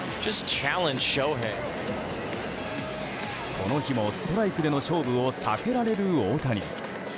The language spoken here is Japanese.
この日もストライクでの勝負を避けられる大谷。